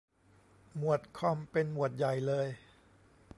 หมวดคอมเป็นหมวดใหญ่เลย !